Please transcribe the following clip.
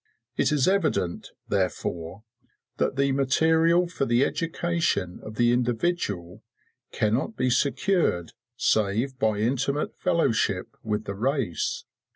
It is evident, therefore, that the material for the education of the individual cannot be secured save by intimate fellowship with the race.